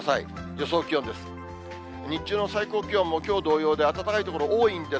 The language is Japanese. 予想気温です。